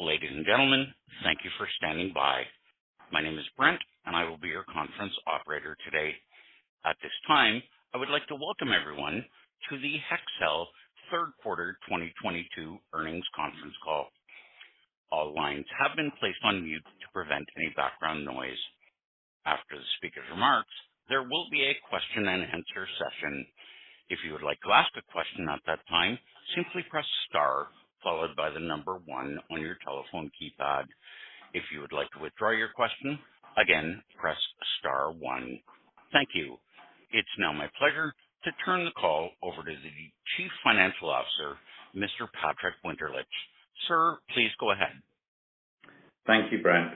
Ladies and gentlemen, thank you for standing by. My name is Brent, and I will be your conference operator today. At this time, I would like to welcome everyone to the Hexcel Q3 2022 Earnings Conference Call. All lines have been placed on mute to prevent any background noise. After the speaker's remarks, there will be a Q&A session. If you would like to ask a question at that time, simply press star followed by the number one on your telephone keypad. If you would like to withdraw your question, again, press star one. Thank you. It's now my pleasure to turn the call over to the Chief Financial Officer, Mr. Patrick Winterlich. Sir, please go ahead. Thank you, Brent.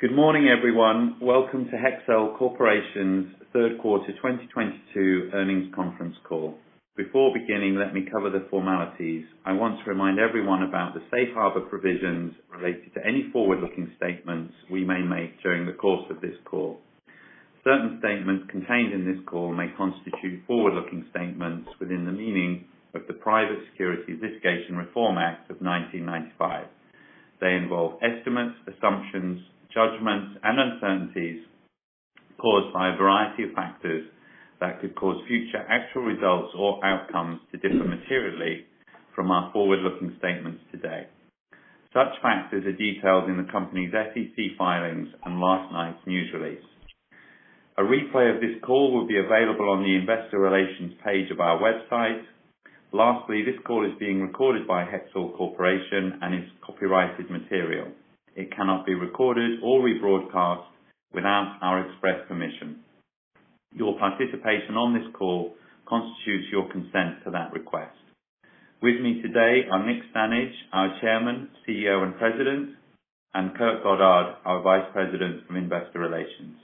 Good morning, everyone. Welcome to Hexcel Corporation's Q3 2022 Earnings Conference Call. Before beginning, let me cover the formalities. I want to remind everyone about the safe harbor provisions related to any forward-looking statements we may make during the course of this call. Certain statements contained in this call may constitute forward-looking statements within the meaning of the Private Securities Litigation Reform Act of 1995. They involve estimates, assumptions, judgments, and uncertainties caused by a variety of factors that could cause future actual results or outcomes to differ materially from our forward-looking statements today. Such factors are detailed in the company's SEC filings and last night's news release. A replay of this call will be available on the investor relations page of our website. Lastly, this call is being recorded by Hexcel Corporation and is copyrighted material. It cannot be recorded or rebroadcast without our express permission. Your participation on this call constitutes your consent to that request. With me today are Nick Stanage, our Chairman, CEO, and President, and Kurt Goddard, our Vice President from Investor Relations.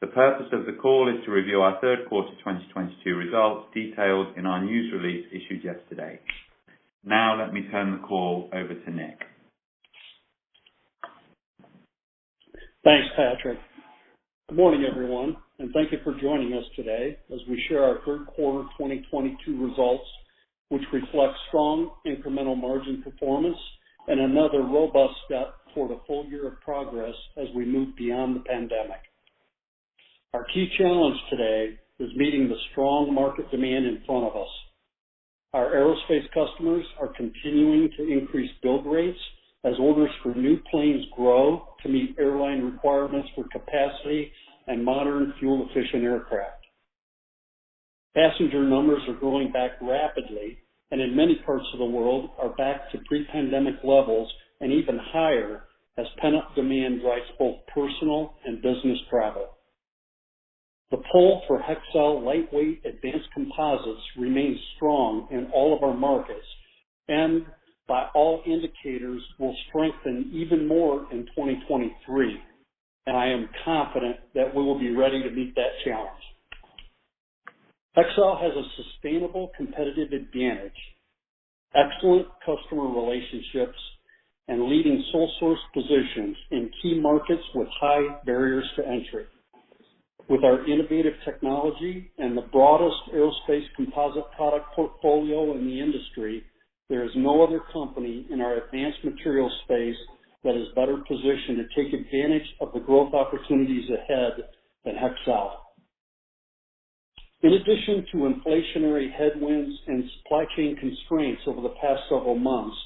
The purpose of the call is to review our Q3 2022 results detailed in our news release issued yesterday. Now let me turn the call over to Nick. Thanks, Patrick. Good morning, everyone, and thank you for joining us today as we share our Q3 2022 results, which reflect strong incremental margin performance and another robust step for the full year of progress as we move beyond the pandemic. Our key challenge today is meeting the strong market demand in front of us. Our aerospace customers are continuing to increase build rates as orders for new planes grow to meet airline requirements for capacity and modern fuel-efficient aircraft. Passenger numbers are growing back rapidly, and in many parts of the world are back to pre-pandemic levels and even higher as pent-up demand drives both personal and business travel. The pull for Hexcel lightweight advanced composites remains strong in all of our markets and by all indicators will strengthen even more in 2023, and I am confident that we will be ready to meet that challenge. Hexcel has a sustainable competitive advantage, excellent customer relationships, and leading sole source positions in key markets with high barriers to entry. With our innovative technology and the broadest aerospace composite product portfolio in the industry, there is no other company in our advanced materials space that is better positioned to take advantage of the growth opportunities ahead than Hexcel. In addition to inflationary headwinds and supply chain constraints over the past several months,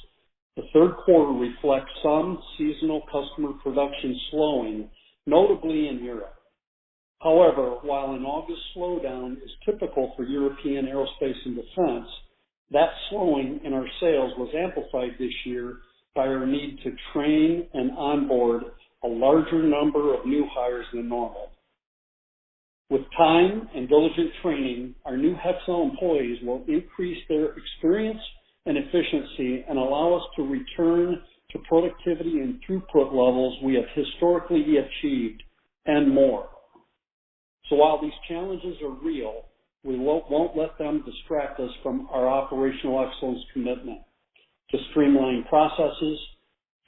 the Q3 reflects some seasonal customer production slowing, notably in Europe. However, while an August slowdown is typical for European aerospace and defense, that slowing in our sales was amplified this year by our need to train and onboard a larger number of new hires than normal. With time and diligent training, our new Hexcel employees will increase their experience and efficiency and allow us to return to productivity and throughput levels we have historically achieved and more. While these challenges are real, we won't let them distract us from our operational excellence commitment to streamlining processes,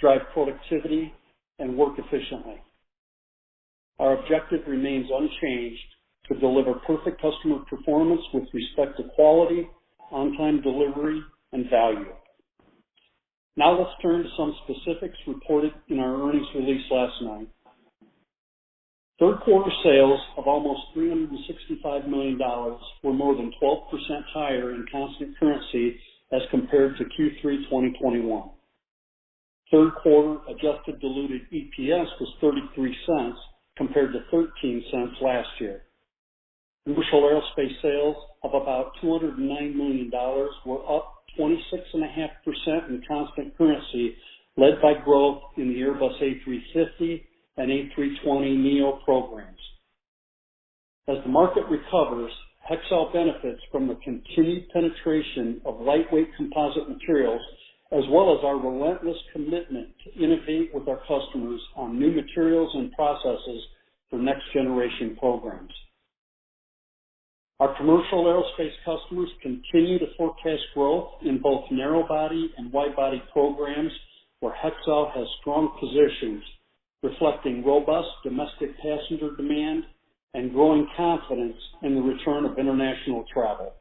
drive productivity, and work efficiently. Our objective remains unchanged to deliver perfect customer performance with respect to quality, on-time delivery, and value. Now let's turn to some specifics reported in our earnings release last night. Q3 sales of almost $365 million were more than 12% higher in constant currency as compared to Q3 2021. Q3 adjusted diluted EPS was $0.33 compared to $0.13 last year. Commercial aerospace sales of about $209 million were up 26.5% in constant currency, led by growth in the Airbus A350 and A320neo programs. As the market recovers, Hexcel benefits from the continued penetration of lightweight composite materials as well as our relentless commitment to innovate with our customers on new materials and processes for next-generation programs. Our commercial aerospace customers continue to forecast growth in both narrow-body and wide-body programs where Hexcel has strong positions, reflecting robust domestic passenger demand and growing confidence in the return of international travel.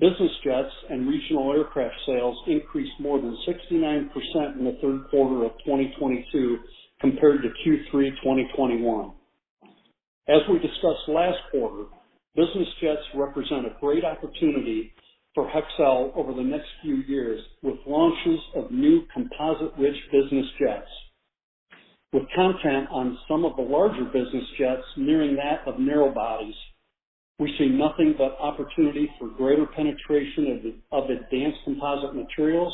Business jets and regional aircraft sales increased more than 69% in the Q3 of 2022 compared to Q3 2021. As we discussed last quarter, business jets represent a great opportunity for Hexcel over the next few years, with launches of new composite-rich business jets. With content on some of the larger business jets nearing that of narrow bodies, we see nothing but opportunity for greater penetration of advanced composite materials,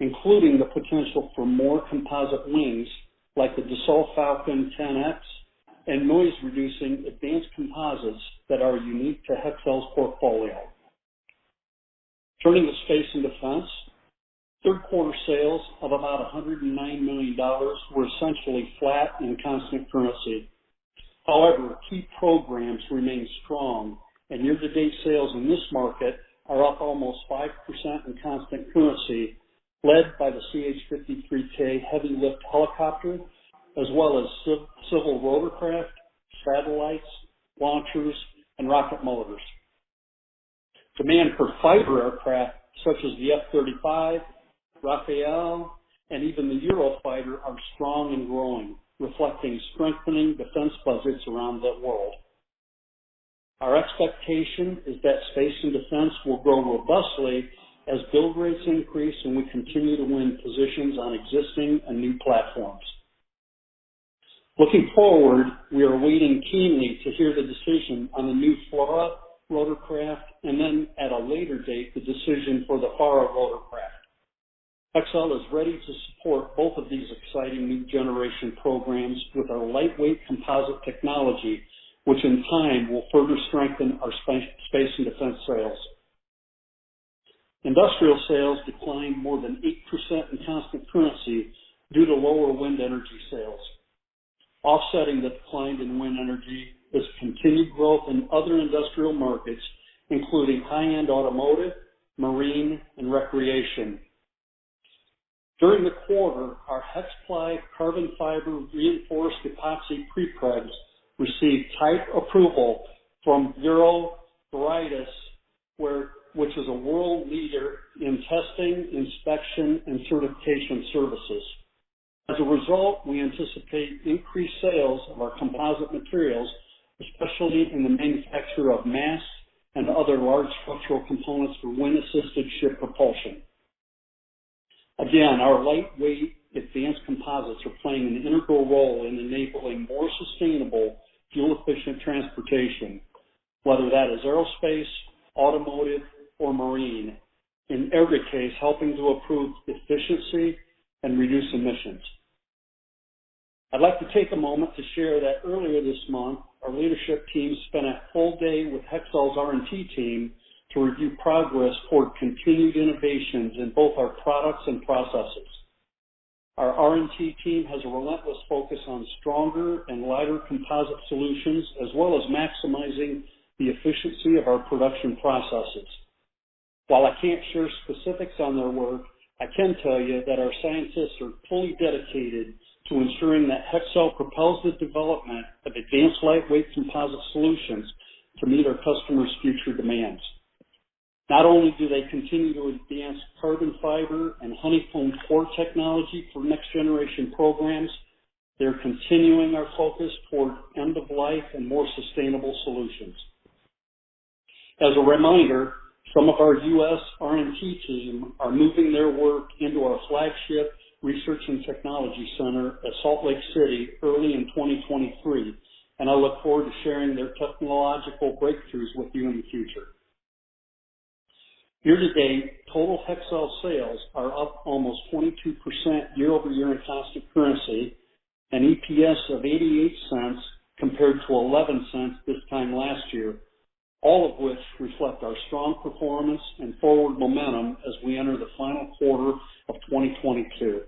including the potential for more composite wings, like the Dassault Falcon 10X, and noise-reducing advanced composites that are unique to Hexcel's portfolio. Turning to space and defense, Q3 sales of about $109 million were essentially flat in constant currency. However, key programs remain strong, and year-to-date sales in this market are up almost 5% in constant currency, led by the CH-53K heavy lift helicopter, as well as civil rotorcraft, satellites, launchers, and rocket motors. Demand for fighter aircraft such as the F-35, Rafale, and even the Eurofighter are strong and growing, reflecting strengthening defense budgets around the world. Our expectation is that space and defense will grow robustly as build rates increase, and we continue to win positions on existing and new platforms. Looking forward, we are waiting keenly to hear the decision on the new FLRAA rotorcraft and then at a later date, the decision for the FARA rotorcraft. Hexcel is ready to support both of these exciting new generation programs with our lightweight composite technology, which in time will further strengthen our space and defense sales. Industrial sales declined more than 8% in constant currency due to lower wind energy sales. Offsetting the decline in wind energy is continued growth in other industrial markets, including high-end automotive, marine, and recreation. During the quarter, our HexPly carbon fiber reinforced epoxy prepregs received type approval from Bureau Veritas, which is a world leader in testing, inspection, and certification services. As a result, we anticipate increased sales of our composite materials, especially in the manufacture of masts and other large structural components for wind-assisted ship propulsion. Again, our lightweight advanced composites are playing an integral role in enabling more sustainable fuel-efficient transportation, whether that is aerospace, automotive, or marine. In every case, helping to improve efficiency and reduce emissions. I'd like to take a moment to share that earlier this month, our leadership team spent a full day with Hexcel's R&T team to review progress toward continued innovations in both our products and processes. Our R&T team has a relentless focus on stronger and lighter composite solutions, as well as maximizing the efficiency of our production processes. While I can't share specifics on their work, I can tell you that our scientists are fully dedicated to ensuring that Hexcel propels the development of advanced lightweight composite solutions to meet our customers' future demands. Not only do they continue to advance carbon fiber and honeycomb core technology for next generation programs, they're continuing our focus toward end of life and more sustainable solutions. As a reminder, some of our U.S. R&T team are moving their work into our flagship research and technology center at Salt Lake City early in 2023, and I look forward to sharing their technological breakthroughs with you in the future. Year to date, total Hexcel sales are up almost 22% year-over-year in constant currency, and EPS of $0.88 compared to $0.11 this time last year, all of which reflect our strong performance and forward momentum as we enter the final quarter of 2022.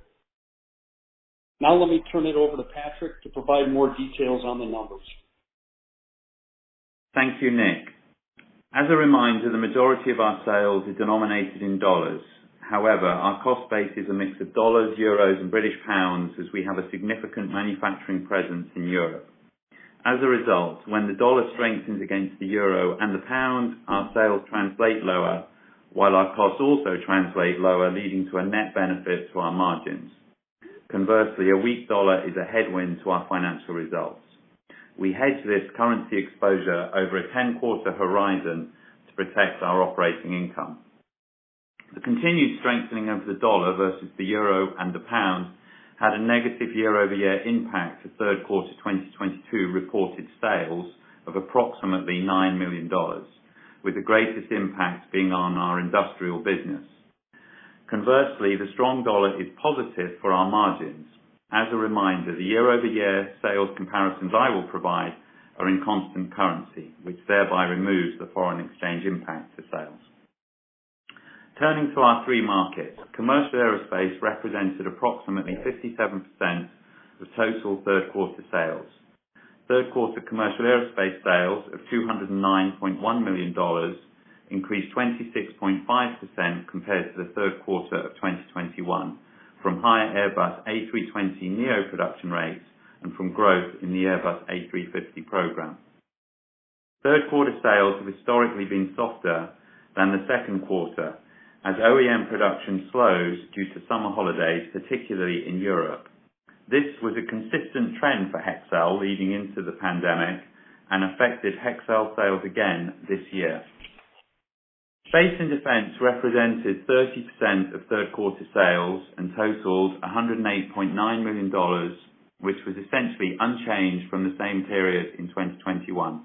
Now let me turn it over to Patrick to provide more details on the numbers. Thank you, Nick. As a reminder, the majority of our sales are denominated in dollars. However, our cost base is a mix of dollars, euros, and British pounds as we have a significant manufacturing presence in Europe. As a result, when the dollar strengthens against the euro and the pound, our sales translate lower, while our costs also translate lower, leading to a net benefit to our margins. Conversely, a weak dollar is a headwind to our financial results. We hedge this currency exposure over a 10-quarter horizon to protect our operating income. The continued strengthening of the dollar versus the euro and the pound had a negative year-over-year impact to Q3 2022 reported sales of approximately $9 million, with the greatest impact being on our industrial business. Conversely, the strong dollar is positive for our margins. As a reminder, the year-over-year sales comparisons I will provide are in constant currency, which thereby removes the foreign exchange impact to sales. Turning to our three markets, commercial aerospace represented approximately 57% of total Q3 sales. Q3 commercial aerospace sales of $209.1 million increased 26.5% compared to the Q3 of 2021 from higher Airbus A320neo production rates and from growth in the Airbus A350 program. Q3 sales have historically been softer than the Q2 as OEM production slows due to summer holidays, particularly in Europe. This was a consistent trend for Hexcel leading into the pandemic and affected Hexcel sales again this year. Space and Defense represented 30% of Q3 sales and totaled $108.9 million, which was essentially unchanged from the same period in 2021.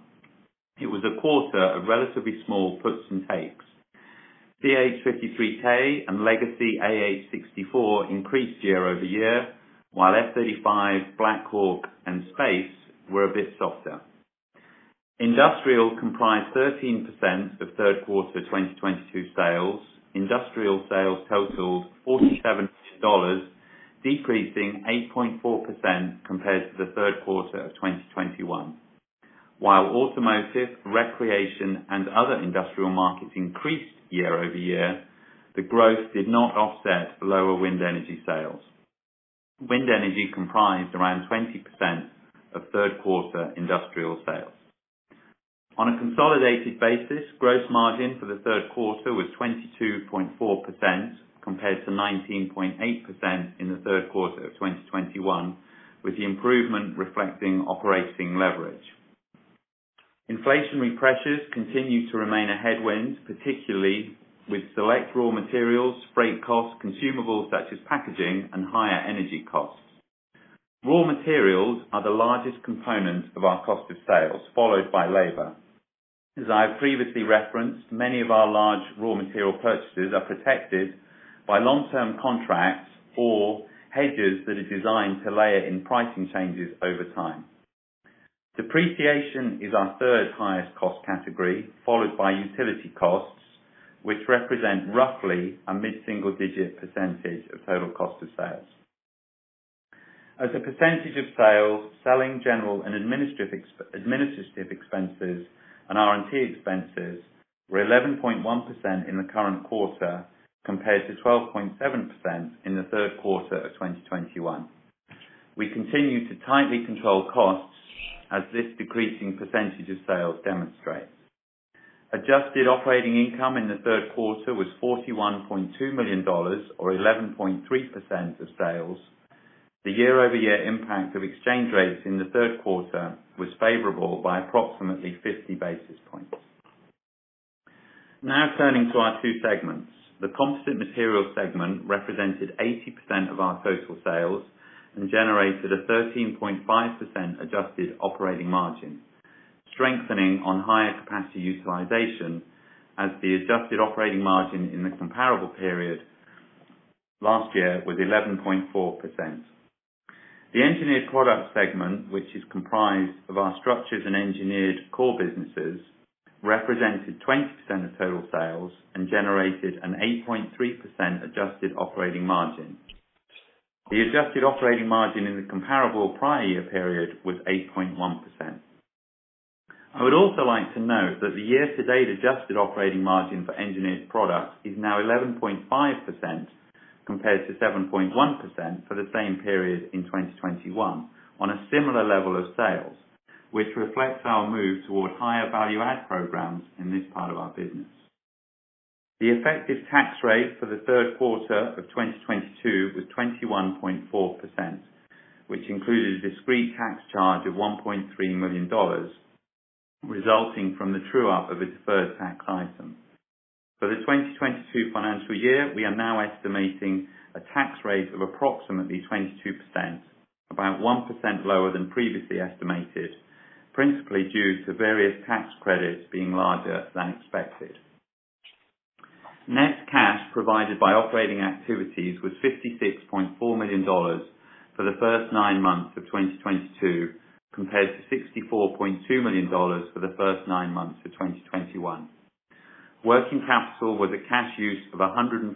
It was a quarter of relatively small puts and takes. CH-53K and Legacy AH-64 increased year-over-year, while F-35, Black Hawk, and Space were a bit softer. Industrial comprised 13% of Q3 2022 sales. Industrial sales totaled $47 million, decreasing 8.4% compared to the Q3 of 2021. While automotive, recreation, and other industrial markets increased year-over-year, the growth did not offset lower wind energy sales. Wind energy comprised around 20% of Q3 industrial sales. On a consolidated basis, gross margin for the Q3 was 22.4% compared to 19.8% in the Q3 of 2021, with the improvement reflecting operating leverage. Inflationary pressures continue to remain a headwind, particularly with select raw materials, freight costs, consumables such as packaging and higher energy costs. Raw materials are the largest component of our cost of sales, followed by labor. As I have previously referenced, many of our large raw material purchases are protected by long-term contracts or hedges that are designed to layer in pricing changes over time. Depreciation is our third highest cost category, followed by utility costs, which represent roughly a mid-single digit percentage of total cost of sales. As a percentage of sales, selling, general and administrative ex-administrative expenses and R&T expenses were 11.1% in the current quarter compared to 12.7% in the Q3 of 2021. We continue to tightly control costs as this decreasing percentage of sales demonstrates. Adjusted operating income in the Q3 was $41.2 million, or 11.3% of sales. The year-over-year impact of exchange rates in the Q3 was favorable by approximately 50 basis points. Now turning to our two segments. The Composite Materials segment represented 80% of our total sales and generated a 13.5% adjusted operating margin, strengthening on higher capacity utilization as the adjusted operating margin in the comparable period last year was 11.4%. The Engineered Products segment, which is comprised of our structures and engineered core businesses, represented 20% of total sales and generated an 8.3% adjusted operating margin. The adjusted operating margin in the comparable prior year period was 8.1%. I would also like to note that the year-to-date adjusted operating margin for Engineered Products is now 11.5% compared to 7.1% for the same period in 2021 on a similar level of sales, which reflects our move toward higher value add programs in this part of our business. The effective tax rate for the Q3 of 2022 was 21.4%, which included a discrete tax charge of $1.3 million, resulting from the true up of a deferred tax item. For the 2022 financial year, we are now estimating a tax rate of approximately 22%, about 1% lower than previously estimated, principally due to various tax credits being larger than expected. Net cash provided by operating activities was $56.4 million for the first nine months of 2022, compared to $64.2 million for the first nine months of 2021. Working capital was a cash use of $115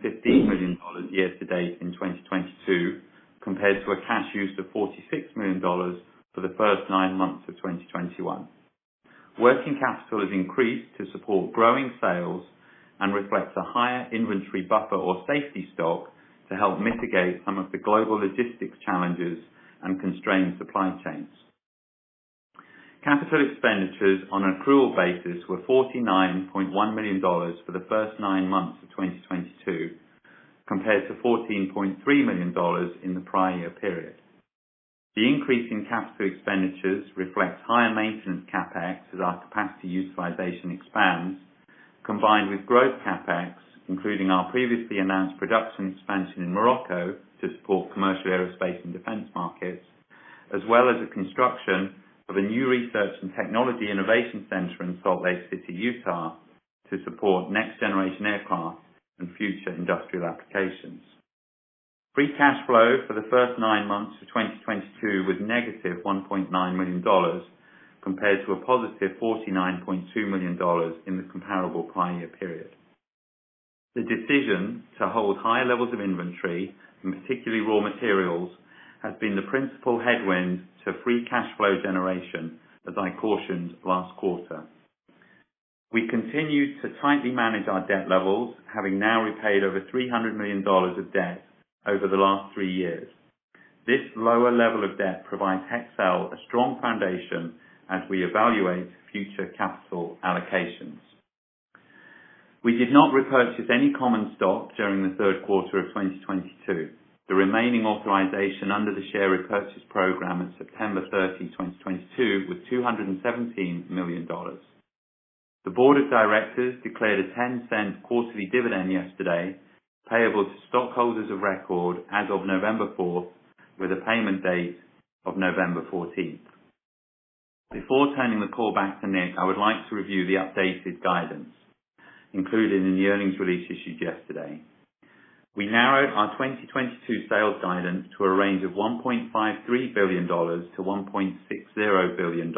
million year to date in 2022, compared to a cash use of $46 million for the first nine months of 2021. Working capital has increased to support growing sales and reflects a higher inventory buffer or safety stock to help mitigate some of the global logistics challenges and constrained supply chains. Capital expenditures on an accrual basis were $49.1 million for the first nine months of 2022, compared to $14.3 million in the prior year period. The increase in capital expenditures reflects higher maintenance CapEx as our capacity utilization expands, combined with growth CapEx, including our previously announced production expansion in Morocco to support commercial aerospace and defense markets, as well as the construction of a new research and technology innovation center in Salt Lake City, Utah, to support next generation aircraft and future industrial applications. Free cash flow for the first nine months of 2022 was negative $1.9 million compared to a positive $49.2 million in the comparable prior year period. The decision to hold high levels of inventory, and particularly raw materials, has been the principal headwind to free cash flow generation that I cautioned last quarter. We continue to tightly manage our debt levels, having now repaid over $300 million of debt over the last three years. This lower level of debt provides Hexcel a strong foundation as we evaluate future capital allocations. We did not repurchase any common stock during the Q3 of 2022. The remaining authorization under the share repurchase program at September 30, 2022 was $217 million. The board of directors declared a $0.10 quarterly dividend yesterday, payable to stockholders of record as of November 4, with a payment date of November 14. Before turning the call back to Nick, I would like to review the updated guidance included in the earnings release issued yesterday. We narrowed our 2022 sales guidance to a range of $1.53 billion-$1.60 billion.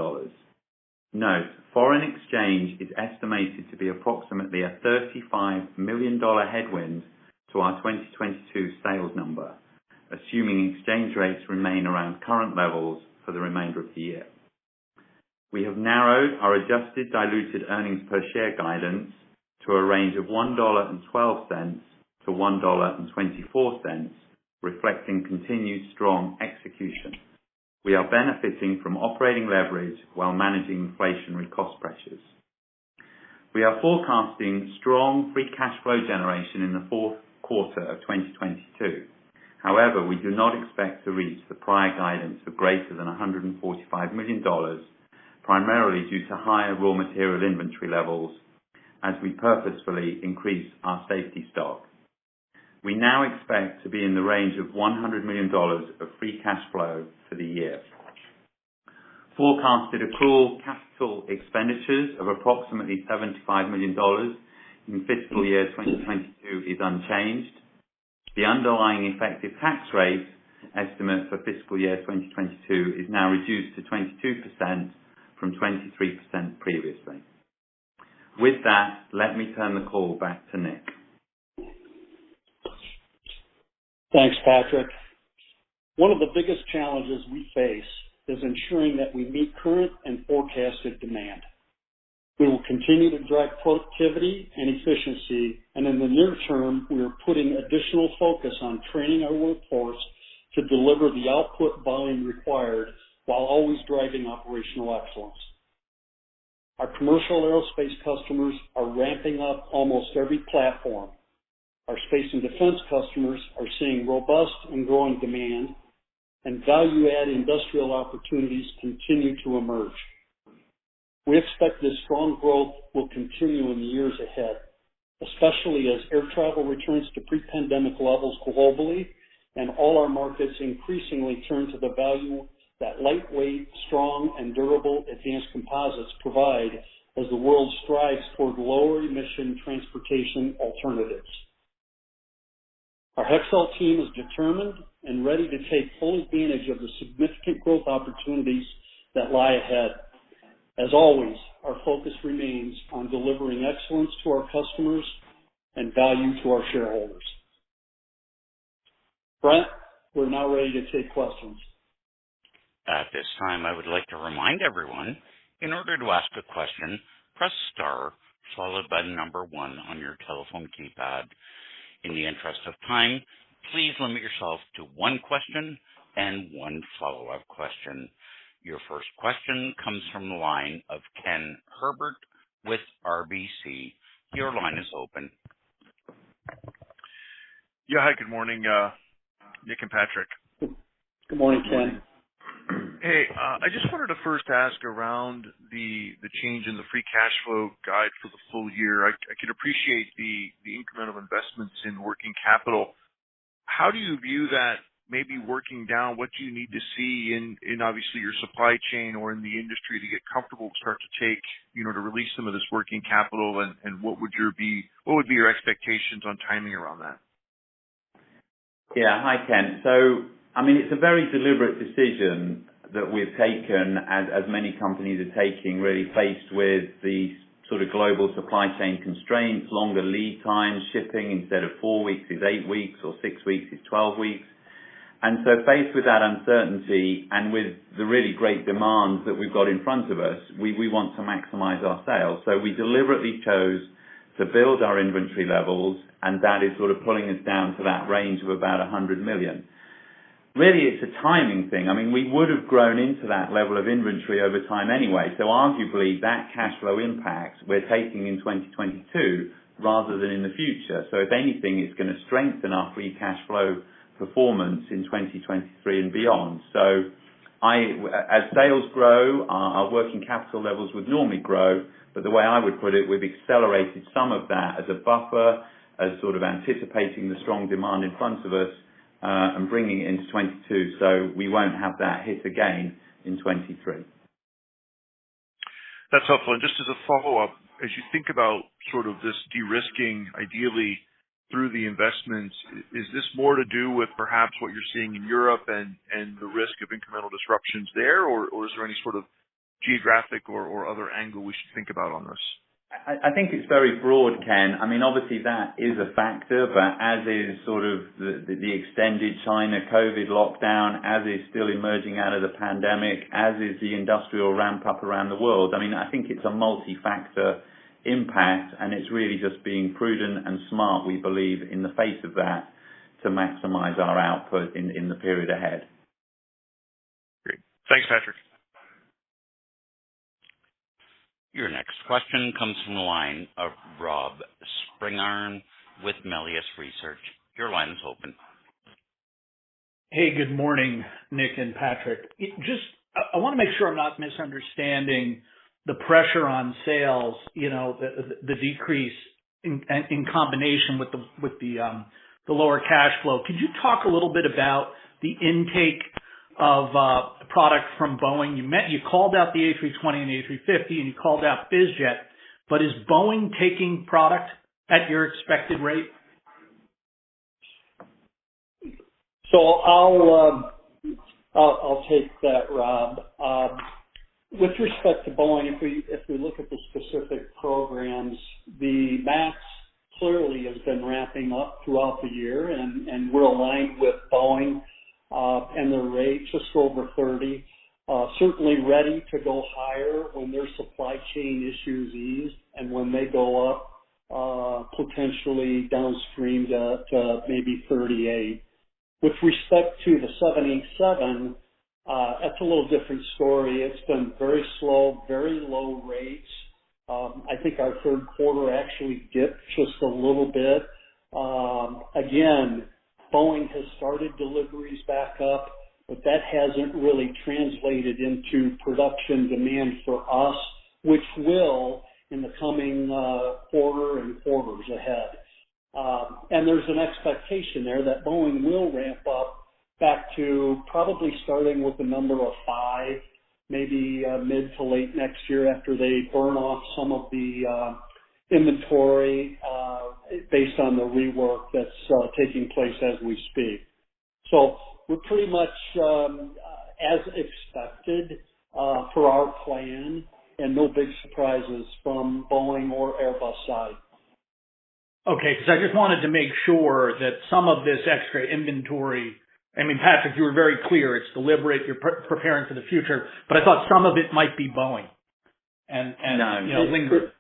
Note, foreign exchange is estimated to be approximately a $35 million headwind to our 2022 sales number, assuming exchange rates remain around current levels for the remainder of the year. We have narrowed our adjusted diluted earnings per share guidance to a range of $1.12-$1.24, reflecting continued strong execution. We are benefiting from operating leverage while managing inflationary cost pressures. We are forecasting strong free cash flow generation in the Q4 of 2022. However, we do not expect to reach the prior guidance of greater than $145 million, primarily due to higher raw material inventory levels as we purposefully increase our safety stock. We now expect to be in the range of $100 million of free cash flow for the year. Forecasted accrual capital expenditures of approximately $75 million in fiscal year 2022 is unchanged. The underlying effective tax rate estimate for fiscal year 2022 is now reduced to 22% from 23% previously. With that, let me turn the call back to Nick. Thanks, Patrick. One of the biggest challenges we face is ensuring that we meet current and forecasted demand. We will continue to drive productivity and efficiency, and in the near term, we are putting additional focus on training our workforce to deliver the output volume required, while always driving operational excellence. Our commercial aerospace customers are ramping up almost every platform. Our space and defense customers are seeing robust and growing demand, and value-add industrial opportunities continue to emerge. We expect this strong growth will continue in the years ahead, especially as air travel returns to pre-pandemic levels globally, and all our markets increasingly turn to the value that lightweight, strong, and durable advanced composites provide as the world strives toward lower emission transportation alternatives. Our Hexcel team is determined and ready to take full advantage of the significant growth opportunities that lie ahead. As always, our focus remains on delivering excellence to our customers and value to our shareholders. Brent, we're now ready to take questions. At this time, I would like to remind everyone, in order to ask a question, press star followed by the number one on your telephone keypad. In the interest of time, please limit yourself to one question and one follow-up question. Your first question comes from the line of Ken Herbert with RBC. Your line is open. Yeah. Hi, good morning, Nick and Patrick. Good morning, Ken. Hey, I just wanted to first ask around the change in the free cash flow guide for the full year. I can appreciate the incremental investments in working capital. How do you view that maybe working down? What do you need to see in obviously your supply chain or in the industry to get comfortable to start to take, you know, to release some of this working capital? What would be your expectations on timing around that? Yeah. Hi, Ken. I mean, it's a very deliberate decision that we've taken as many companies are taking, really faced with the sort of global supply chain constraints, longer lead times, shipping instead of four weeks is eight weeks or six weeks is 12 weeks. Faced with that uncertainty and with the really great demands that we've got in front of us, we want to maximize our sales. We deliberately chose to build our inventory levels, and that is sort of pulling us down to that range of about $100 million. Really, it's a timing thing. I mean, we would have grown into that level of inventory over time anyway. Arguably, that cash flow impact we're taking in 2022 rather than in the future. If anything, it's gonna strengthen our free cash flow performance in 2023 and beyond. As sales grow, our working capital levels would normally grow, but the way I would put it, we've accelerated some of that as a buffer, as sort of anticipating the strong demand in front of us, and bringing it into 2022, so we won't have that hit again in 2023. That's helpful. Just as a follow-up, as you think about sort of this de-risking, ideally through the investments, is this more to do with perhaps what you're seeing in Europe and the risk of incremental disruptions there? Or is there any sort of Geographic or other angle we should think about on this? I think it's very broad, Ken. I mean, obviously that is a factor, but as is sort of the extended China COVID lockdown, as is still emerging out of the pandemic, as is the industrial ramp up around the world. I mean, I think it's a multi-factor impact, and it's really just being prudent and smart, we believe, in the face of that to maximize our output in the period ahead. Great. Thanks, Patrick. Your next question comes from the line of Robert Spingarn with Melius Research. Your line is open. Hey, good morning, Nick and Patrick. I wanna make sure I'm not misunderstanding the pressure on sales, you know, the decrease in combination with the lower cash flow. Could you talk a little bit about the intake of product from Boeing? You called out the A320 and A350, and you called out BizJet, but is Boeing taking product at your expected rate? I'll take that, Rob. With respect to Boeing, if we look at the specific programs, the MAX clearly has been ramping up throughout the year, and we're aligned with Boeing, and their rate just over 30. Certainly ready to go higher when their supply chain issues ease and when they go up, potentially downstream to maybe 38. With respect to the 787, that's a little different story. It's been very slow, very low rates. I think our Q3 actually dipped just a little bit. Again, Boeing has started deliveries back up, but that hasn't really translated into production demand for us, which will in the coming quarter and quarters ahead. There's an expectation there that Boeing will ramp up back to probably starting with a number of five, maybe, mid to late next year after they burn off some of the inventory based on the rework that's taking place as we speak. We're pretty much as expected per our plan and no big surprises from Boeing or Airbus side. Okay. 'Cause I just wanted to make sure that some of this extra inventory, I mean, Patrick, you were very clear it's deliberate, you're preparing for the future, but I thought some of it might be Boeing and, you know, lingering.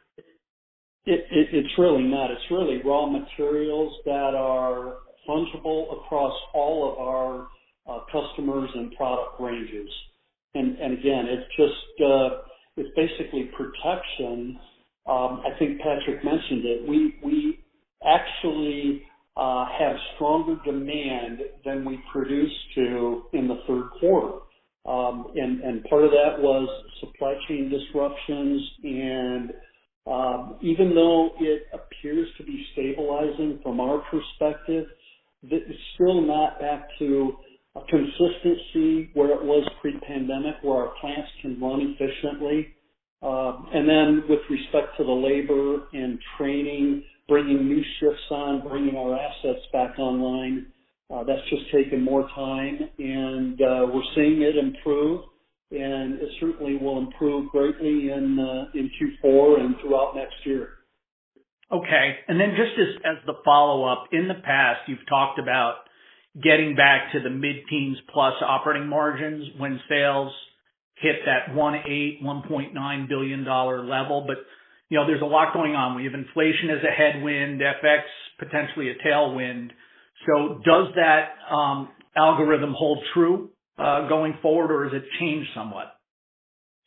It's really not. It's really raw materials that are fungible across all of our customers and product ranges. Again, it's just basically protection. I think Patrick mentioned it. We actually have stronger demand than we produced in the Q3. Part of that was supply chain disruptions and even though it appears to be stabilizing from our perspective, it's still not back to a consistency where it was pre-pandemic, where our plants can run efficiently. Then with respect to the labor and training, bringing new shifts on, bringing our assets back online, that's just taken more time and we're seeing it improve, and it certainly will improve greatly in Q4 and throughout next year. Okay. Then just as the follow-up, in the past you've talked about getting back to the mid-teens plus operating margins when sales hit that $1.8 billion-$1.9 billion level. But you know, there's a lot going on. We have inflation as a headwind, FX potentially a tailwind. Does that algorithm hold true going forward, or has it changed somewhat?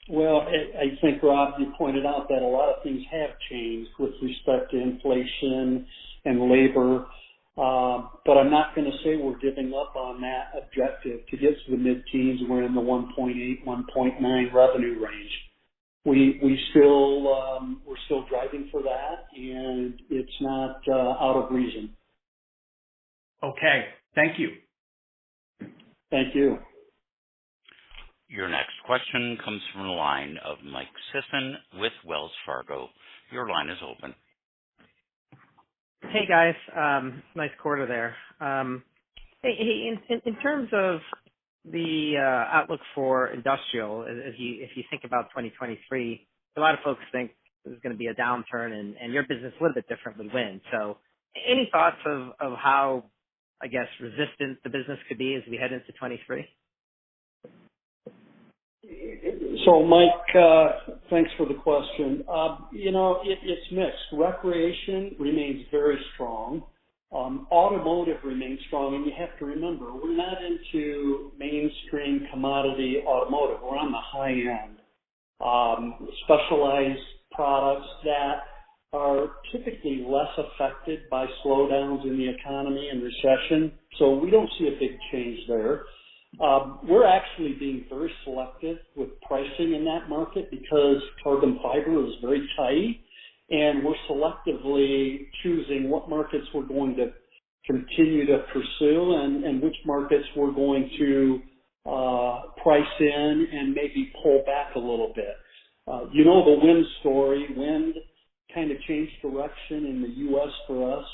Well, I think, Rob, you pointed out that a lot of things have changed with respect to inflation and labor. I'm not gonna say we're giving up on that objective to get to the mid-teens when we're in the $1.8 billion-$1.9 billion revenue range. We're still driving for that, and it's not out of reason. Okay. Thank you. Thank you. Your next question comes from the line of Michael Sison with Wells Fargo. Your line is open. Hey, guys. Nice quarter there. Hey, in terms of the outlook for Industrial, if you think about 2023, a lot of folks think there's gonna be a downturn and your business a little bit different than wind. So any thoughts of how, I guess, resistant the business could be as we head into 2023? Mike, thanks for the question. You know, it's mixed. Recreation remains very strong. Automotive remains strong. You have to remember, we're not into mainstream commodity automotive. We're on the high end, specialized products that are typically less affected by slowdowns in the economy and recession. We don't see a big change there. We're actually being very selective with pricing in that market because carbon fiber is very tight, and we're selectively choosing what markets we're going to continue to pursue and which markets we're going to price in and maybe pull back a little bit. You know the wind story. Wind kind of changed direction in the U.S. for us.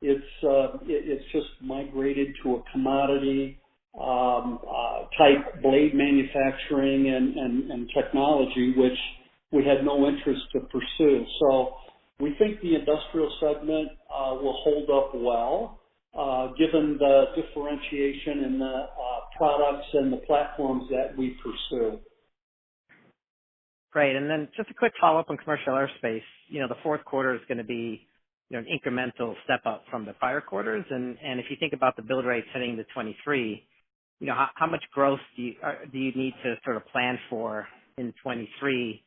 It's just migrated to a commodity type blade manufacturing and technology which we had no interest to pursue. We think the industrial segment will hold up well, given the differentiation in the products and the platforms that we pursue. Great. Just a quick follow-up on commercial aerospace. You know, the Q4 is gonna be, you know, an incremental step up from the prior quarters. If you think about the build rate heading to 2023, you know, how much growth do you, or do you need to sort of plan for in 2023,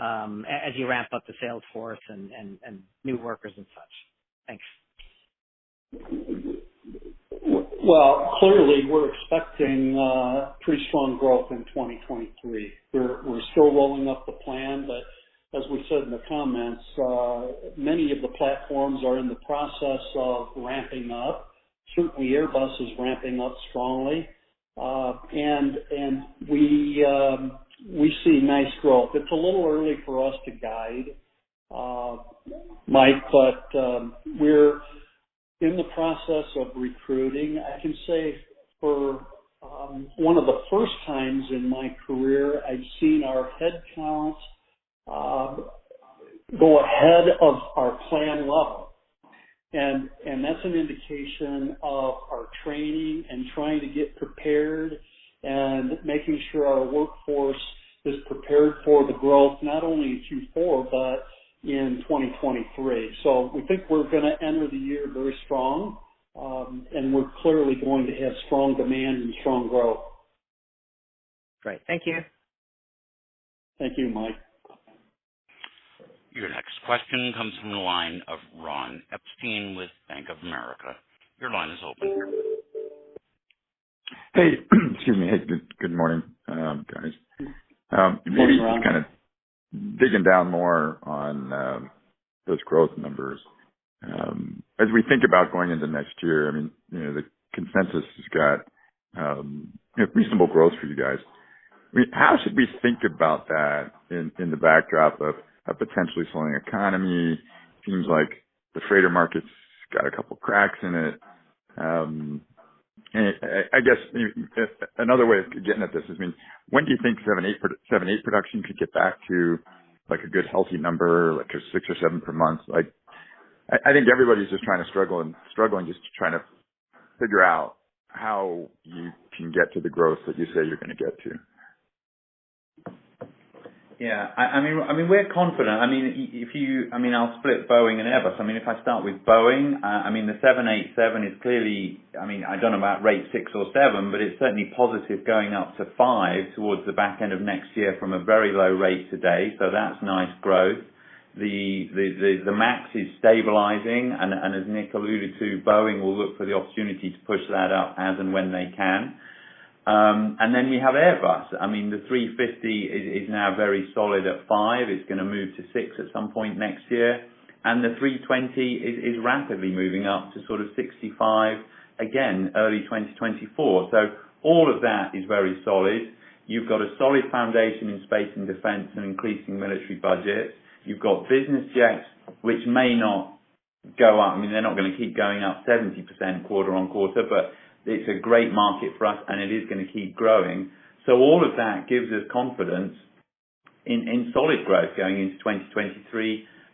as you ramp up the sales force and new workers and such? Thanks. Well, clearly we're expecting pretty strong growth in 2023. We're still rolling up the plan, but as we said in the comments, many of the platforms are in the process of ramping up. Certainly, Airbus is ramping up strongly. We see nice growth. It's a little early for us to guide, Mike, but we're in the process of recruiting. I can say for one of the first times in my career, I've seen our headcounts go ahead of our plan level. That's an indication of our training and trying to get prepared and making sure our workforce is prepared for the growth, not only in Q4 but in 2023. We think we're gonna enter the year very strong. We're clearly going to have strong demand and strong growth. Great. Thank you. Thank you, Mike. Your next question comes from the line of Ron Epstein with Bank of America. Your line is open. Hey. Excuse me. Hey, good morning, guys. Morning, Ron. Maybe just kind of digging down more on those growth numbers. As we think about going into next year, I mean, you know, the consensus has got you know, reasonable growth for you guys. I mean, how should we think about that in the backdrop of a potentially slowing economy? Seems like the freighter market's got a couple cracks in it. I guess maybe another way of getting at this is, I mean, when do you think 787 production could get back to, like, a good healthy number, like six or seven per month? Like, I think everybody's just struggling just to try to figure out how you can get to the growth that you say you're gonna get to. Yeah. I mean, we're confident. I mean, I'll split Boeing and Airbus. I mean, if I start with Boeing, I mean, the 787 is clearly, I mean, I don't know about rate six or seven, but it's certainly positive going up to five towards the back end of next year from a very low rate today. So that's nice growth. The 737 MAX is stabilizing, and as Nick alluded to, Boeing will look for the opportunity to push that up as and when they can. And then you have Airbus. I mean, the A350 is now very solid at five. It's gonna move to 6 at some point next year. And the A320 is rapidly moving up to sort of 65, again, early 2024. So all of that is very solid. You've got a solid foundation in space and defense and increasing military budget. You've got business jets, which may not go up. I mean, they're not gonna keep going up 70% quarter-over-quarter, but it's a great market for us, and it is gonna keep growing. All of that gives us confidence in solid growth going into 2023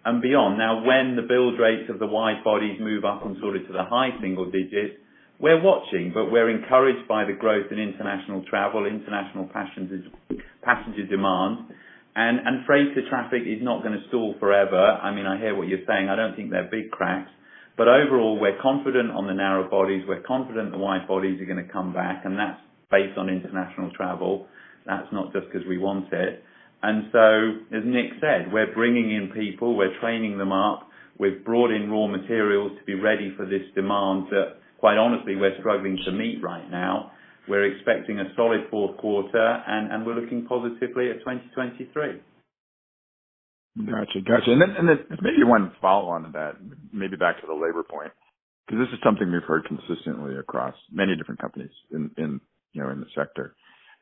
and beyond. Now, when the build rates of the wide-bodies move up on sort of to the high single digits, we're watching, but we're encouraged by the growth in international travel, international passengers, passenger demand. Freighter traffic is not gonna stall forever. I mean, I hear what you're saying. I don't think they're big cracks. Overall, we're confident on the narrow bodies. We're confident the wide bodies are gonna come back, and that's based on international travel. That's not just 'cause we want it. As Nick said, we're bringing in people. We're training them up. We've brought in raw materials to be ready for this demand that, quite honestly, we're struggling to meet right now. We're expecting a solid Q4, and we're looking positively at 2023. Gotcha. Maybe one follow-on to that, maybe back to the labor point, 'cause this is something we've heard consistently across many different companies in you know, in the sector,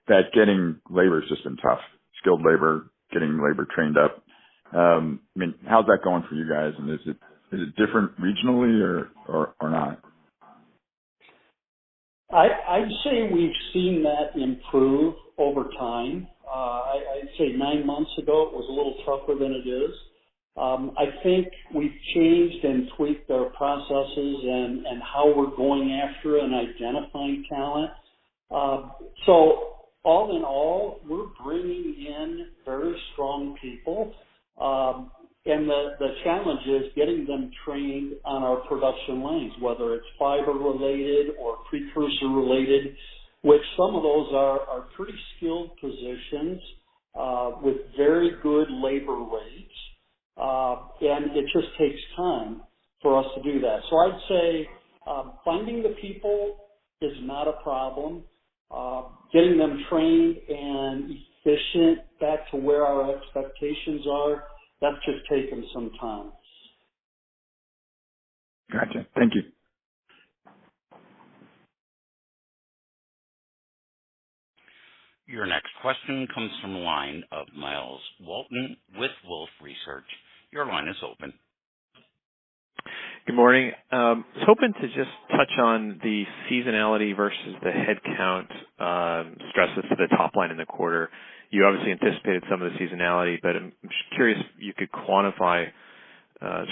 that getting labor has just been tough, skilled labor, getting labor trained up. I mean, how's that going for you guys, and is it different regionally or not? I'd say we've seen that improve over time. I'd say nine months ago it was a little tougher than it is. I think we've changed and tweaked our processes and how we're going after and identifying talent. All in all, we're bringing in very strong people. The challenge is getting them trained on our production lines, whether it's fiber related or precursor related, which some of those are pretty skilled positions with very good labor rates. It just takes time for us to do that. I'd say finding the people is not a problem. Getting them trained and efficient, back to where our expectations are, that's just taken some time. Gotcha. Thank you. Your next question comes from the line of Myles Walton with Wolfe Research. Your line is open. Good morning. I was hoping to just touch on the seasonality versus the headcount stresses to the top line in the quarter. You obviously anticipated some of the seasonality, but I'm just curious if you could quantify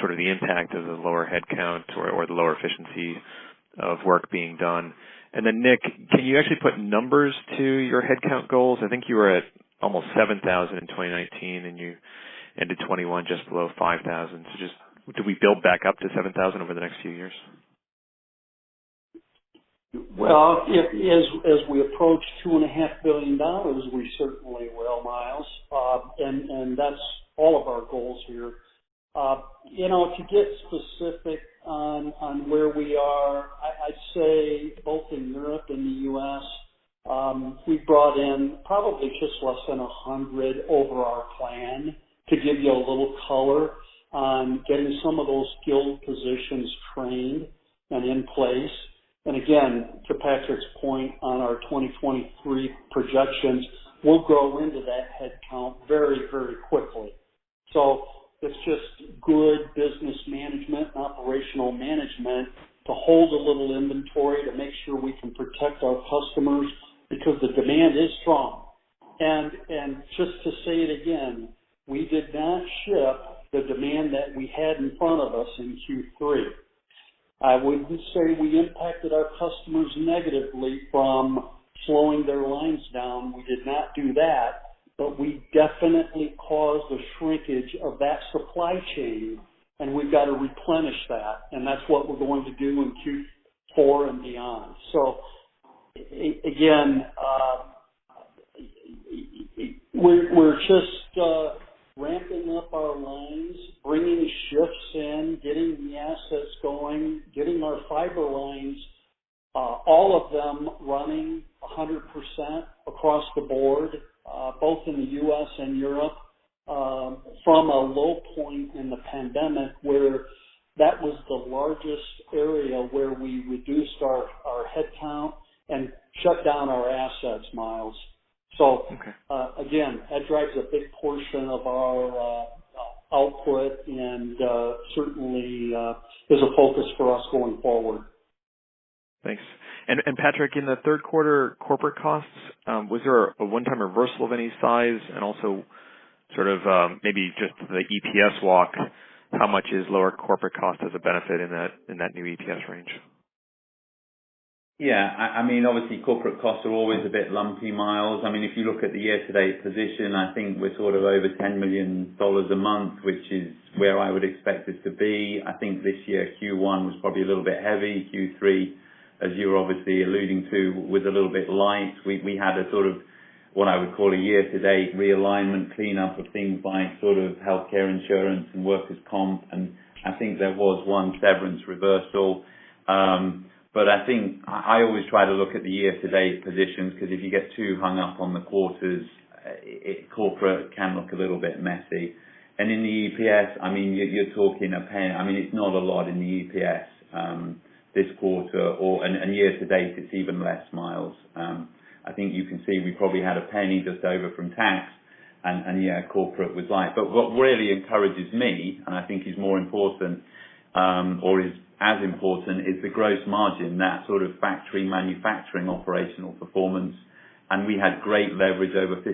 sort of the impact of the lower headcount or the lower efficiency of work being done. Nick, can you actually put numbers to your headcount goals? I think you were at almost 7,000 in 2019, and you ended 2021 just below 5,000. Just do we build back up to 7,000 over the next few years? Well, if, as we approach $2.5 billion, we certainly will, Myles. And that's all of our goals here. You know, to get specific on where we are, I'd say both in Europe and the U.S., we brought in probably just less than 100 over our plan to give you a little color on getting some of those skilled positions trained and in place. Again, to Patrick's point on our 2023 projections, we'll grow into that headcount very, very quickly. It's just good business management and operational management to hold a little inventory to make sure we can protect our customers because the demand is strong. Just to say it again, we did not ship the demand that we had in front of us in Q3. I wouldn't say we impacted our customers negatively from slowing their lines down. We did not do that, but we definitely caused a shrinkage of that supply chain, and we've got to replenish that. That's what we're going to do in Q4 and beyond. Again, we're just ramping up our lines, bringing shifts in, getting the assets going, getting our fiber lines, all of them running 100% across the board, both in the U.S. and Europe, from a low point in the pandemic where that was the largest area where we reduced our headcount and shut down our assets, Myles. Okay. Again, that drives a big portion of our output and certainly is a focus for us going forward. Thanks. Patrick, in the Q3 corporate costs, was there a one-time reversal of any size? Also sort of, maybe just the EPS walk, how much is lower corporate cost as a benefit in that new EPS range? Yeah, I mean, obviously corporate costs are always a bit lumpy, Myles. I mean, if you look at the year-to-date position, I think we're sort of over $10 million a month, which is where I would expect it to be. I think this year Q1 was probably a little bit heavy. Q3, as you're obviously alluding to, was a little bit light. We had a sort of what I would call a year-to-date realignment cleanup of things by sort of healthcare insurance and workers' comp, and I think there was one severance reversal. But I think I always try to look at the year-to-date positions because if you get too hung up on the quarters, corporate can look a little bit messy. In the EPS, I mean, it's not a lot in the EPS this quarter or year to date it's even less, Myles. I think you can see we probably had a penny just over from tax and yeah, corporate was light. What really encourages me, and I think is more important or is as important is the gross margin, that sort of factory manufacturing operational performance. We had great leverage over 50%.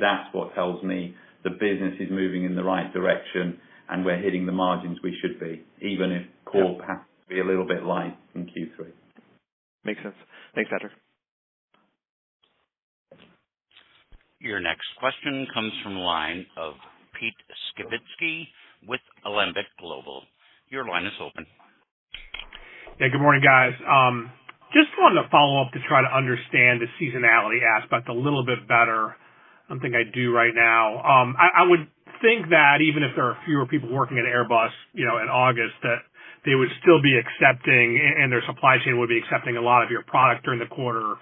That's what tells me the business is moving in the right direction and we're hitting the margins we should be, even if core happens to be a little bit light in Q3. Makes sense. Thanks, Patrick. Your next question comes from the line of Pete Skibitski with Alembic Global. Your line is open. Yeah, good morning, guys. Just wanted to follow up to try to understand the seasonality aspect a little bit better than I do right now. I would think that even if there are fewer people working at Airbus, you know, in August, that they would still be accepting and their supply chain would be accepting a lot of your product during the quarter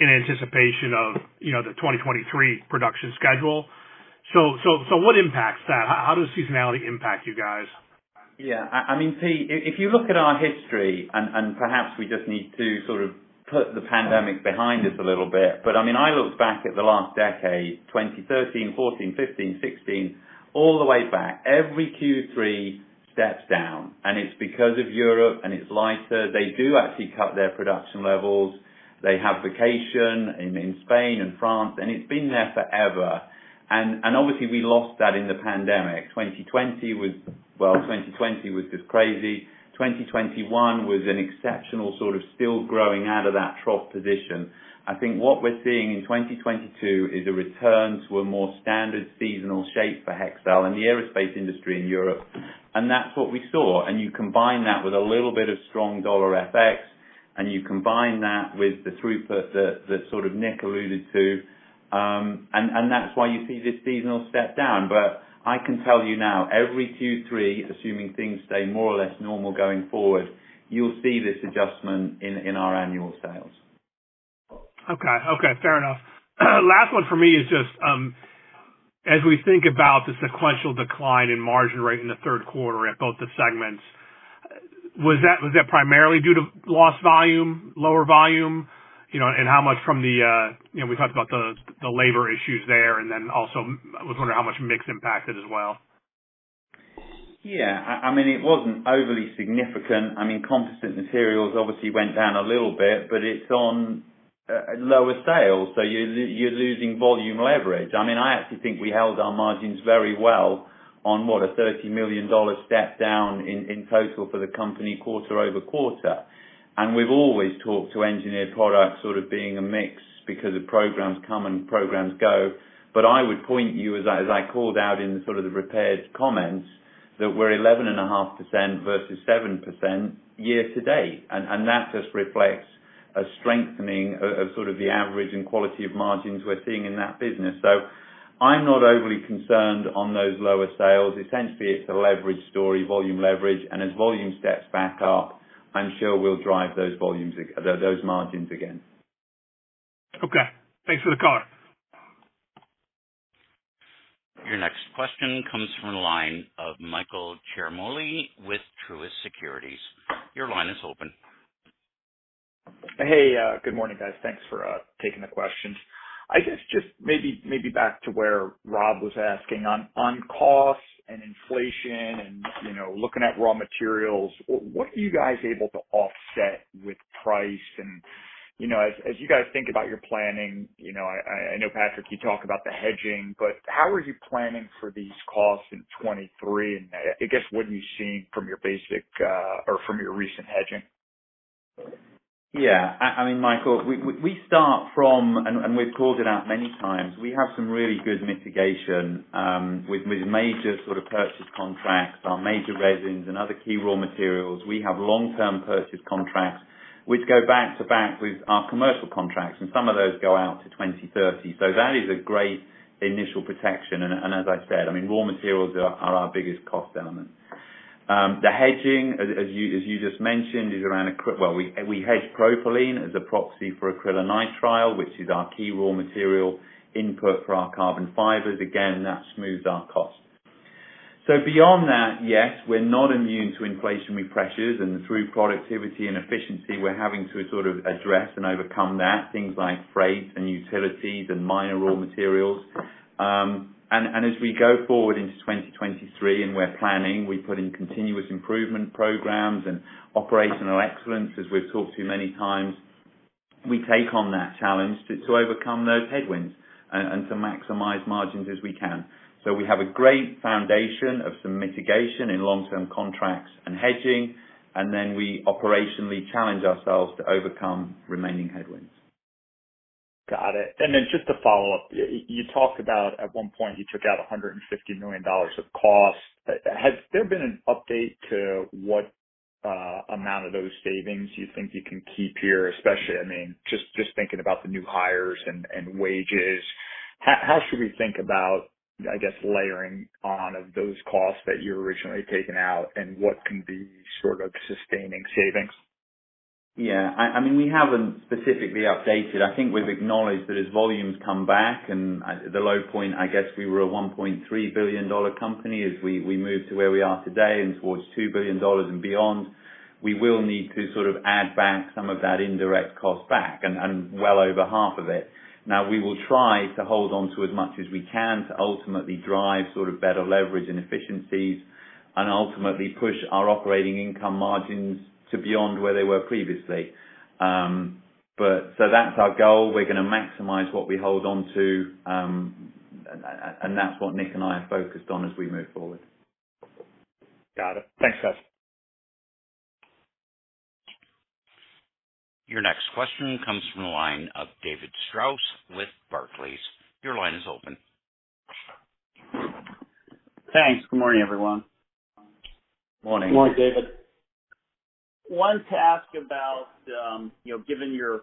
in anticipation of, you know, the 2023 production schedule. What impacts that? How does seasonality impact you guys? Yeah. I mean, Pete, if you look at our history and perhaps we just need to sort of put the pandemic behind us a little bit, but I mean, I looked back at the last decade, 2013, 2014, 2015, 2016, all the way back. Every Q3 steps down. It's because of Europe and it's lighter. They do actually cut their production levels. They have vacation in Spain and France, and it's been there forever. Obviously we lost that in the pandemic. 2020 was just crazy. 2021 was an exceptional sort of still growing out of that trough position. I think what we're seeing in 2022 is a return to a more standard seasonal shape for Hexcel and the aerospace industry in Europe. That's what we saw. You combine that with a little bit of strong dollar FX, and you combine that with the throughput that sort of Nick alluded to, and that's why you see this seasonal step down. I can tell you now, every Q3, assuming things stay more or less normal going forward, you'll see this adjustment in our annual sales. Okay. Okay, fair enough. Last one for me is just, as we think about the sequential decline in margin rate in the Q3 at both the segments. Was that primarily due to lost volume, lower volume? You know, and how much from the, you know, we talked about the labor issues there, and then also I was wondering how much mix impacted as well. Yeah. I mean, it wasn't overly significant. I mean, Composite Materials obviously went down a little bit, but it's on lower sales, so you're losing volume leverage. I mean, I actually think we held our margins very well on what a $30 million step down in total for the company quarter-over-quarter. We've always talked to Engineered Products sort of being a mix because the programs come and programs go. I would point you, as I called out in sort of the prepared comments, that we're 11.5% versus 7% year-to-date. That just reflects a strengthening of sort of the average and quality of margins we're seeing in that business. I'm not overly concerned on those lower sales. Essentially, it's a leverage story, volume leverage, and as volume steps back up, I'm sure we'll drive those margins again. Okay. Thanks for the color. Your next question comes from the line of Michael Ciarmoli with Truist Securities. Your line is open. Hey, good morning, guys. Thanks for taking the questions. I guess just maybe back to where Rob was asking, on costs and inflation and, you know, looking at raw materials, what are you guys able to offset with price? You know, as you guys think about your planning, you know, I know, Patrick, you talk about the hedging, but how are you planning for these costs in 2023? I guess what are you seeing from your basic or from your recent hedging? I mean, Michael, we start from, we've called it out many times, we have some really good mitigation with major sort of purchase contracts, our major resins and other key raw materials. We have long-term purchase contracts which go back to back with our commercial contracts, and some of those go out to 2030. That is a great initial protection. As I said, I mean, raw materials are our biggest cost element. The hedging, as you just mentioned, Well, we hedge propylene as a proxy for acrylonitrile, which is our key raw material input for our carbon fibers. Again, that smooths our cost. Beyond that, yes, we're not immune to inflationary pressures, and through productivity and efficiency, we're having to sort of address and overcome that, things like freight and utilities and minor raw materials. And as we go forward into 2023 and we're planning, we put in continuous improvement programs and operational excellence, as we've talked to you many times, we take on that challenge to overcome those headwinds and to maximize margins as we can. We have a great foundation of some mitigation in long-term contracts and hedging, and then we operationally challenge ourselves to overcome remaining headwinds. Got it. Then just to follow up, you talked about at one point you took out $150 million of costs. Has there been an update to what amount of those savings you think you can keep here? Especially, I mean, just thinking about the new hires and wages, how should we think about, I guess, layering on of those costs that you originally taken out and what can be sort of sustaining savings? Yeah. I mean, we haven't specifically updated. I think we've acknowledged that as volumes come back and at the low point, I guess we were a $1.3 billion company. As we move to where we are today and towards $2 billion and beyond, we will need to sort of add back some of that indirect cost back, and well over half of it. Now, we will try to hold on to as much as we can to ultimately drive sort of better leverage and efficiencies and ultimately push our operating income margins to beyond where they were previously. That's our goal. We're gonna maximize what we hold on to, and that's what Nick and I are focused on as we move forward. Got it. Thanks, guys. Your next question comes from the line of David Strauss with Barclays. Your line is open. Thanks. Good morning, everyone. Morning. Good morning, David. Wanted to ask about, you know, given your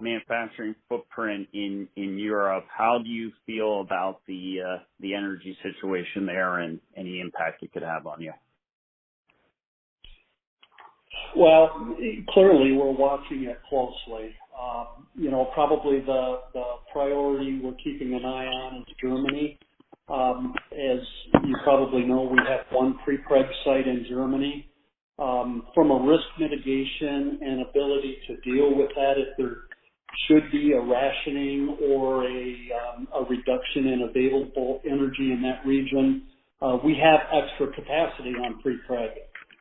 manufacturing footprint in Europe, how do you feel about the energy situation there and any impact it could have on you? Well, clearly, we're watching it closely. You know, probably the priority we're keeping an eye on is Germany. As you probably know, we have one prepreg site in Germany. From a risk mitigation and ability to deal with that, if there should be a rationing or a reduction in available energy in that region, we have extra capacity on prepreg,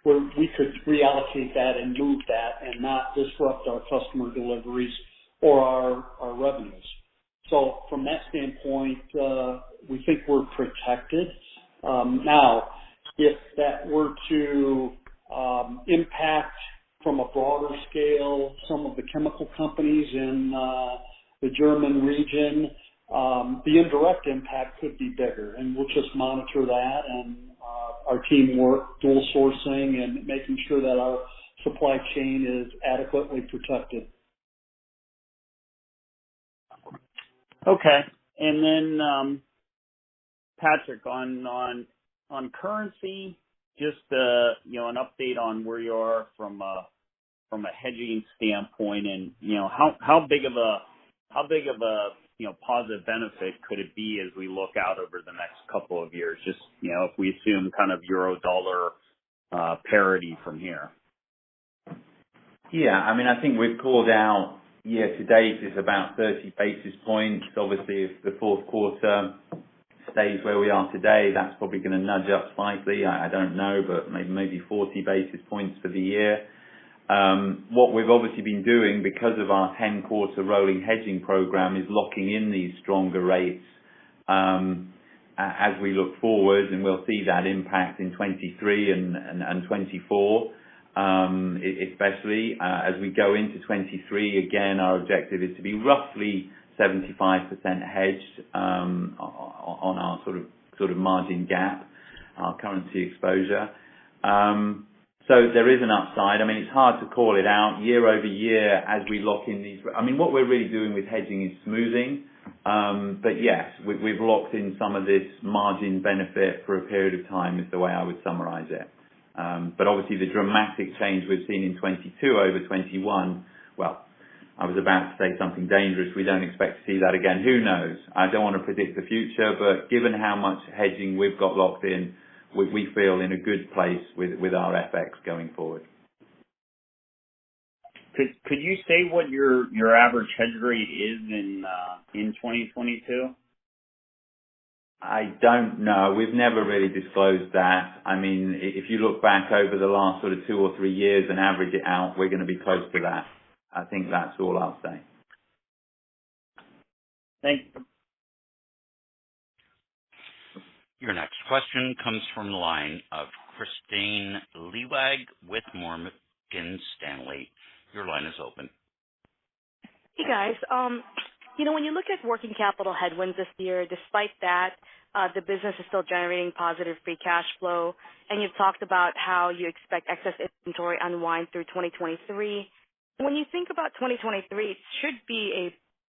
where we could reallocate that and move that and not disrupt our customer deliveries or our revenues. From that standpoint, we think we're protected. Now, if that were to impact from a broader scale some of the chemical companies in the German region, the indirect impact could be bigger, and we'll just monitor that and our team works dual sourcing and making sure that our supply chain is adequately protected. Okay. Patrick, on currency, just, you know, an update on where you are from a- From a hedging standpoint and, you know, how big of a positive benefit could it be as we look out over the next couple of years? Just, you know, if we assume kind of euro-dollar parity from here. Yeah. I mean, I think we've called out year to date is about 30 basis points. Obviously, if the Q4 stays where we are today, that's probably gonna nudge up slightly. I don't know, but maybe 40 basis points for the year. What we've obviously been doing because of our 10-quarter rolling hedging program is locking in these stronger rates, as we look forward, and we'll see that impact in 2023 and 2024, especially as we go into 2023, again, our objective is to be roughly 75% hedged, on our sort of margin gap, our currency exposure. So there is an upside. I mean, it's hard to call it out year-over-year as we lock in these. I mean, what we're really doing with hedging is smoothing. Yes, we've locked in some of this margin benefit for a period of time, is the way I would summarize it. Obviously the dramatic change we've seen in 2022 over 2021, well, I was about to say something dangerous. We don't expect to see that again. Who knows? I don't wanna predict the future, but given how much hedging we've got locked in, we feel in a good place with our FX going forward. Could you say what your average hedge rate is in 2022? I don't know. We've never really disclosed that. I mean, if you look back over the last sort of two or three years and average it out, we're gonna be close to that. I think that's all I'll say. Thank you. Your next question comes from the line of Kristine Liwag with Morgan Stanley. Your line is open. Hey, guys. You know, when you look at working capital headwinds this year, despite that, the business is still generating positive free cash flow, and you've talked about how you expect excess inventory unwind through 2023. When you think about 2023, it should be a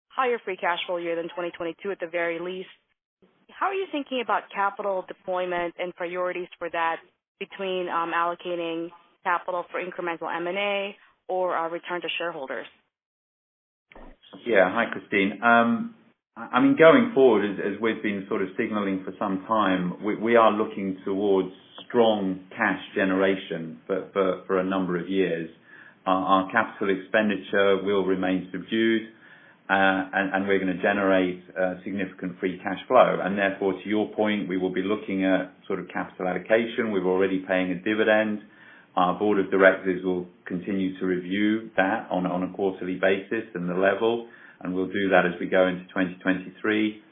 higher free cash flow year than 2022, at the very least. How are you thinking about capital deployment and priorities for that between allocating capital for incremental M&A or return to shareholders? Yeah. Hi, Kristine. I mean, going forward, as we've been sort of signaling for some time, we are looking towards strong cash generation for a number of years. Our capital expenditure will remain subdued, and we're gonna generate significant free cash flow. Therefore, to your point, we will be looking at sort of capital allocation. We're already paying a dividend. Our board of directors will continue to review that on a quarterly basis, and we'll do that as we go into 2023.